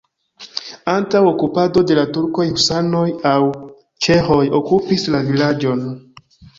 Antaŭ okupado de la turkoj husanoj aŭ ĉeĥoj okupis la vilaĝon.